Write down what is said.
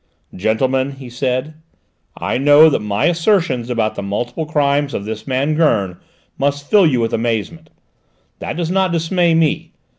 "Gentlemen," he said, "I know that my assertions about the multiple crimes of this man Gurn must fill you with amazement. That does not dismay me.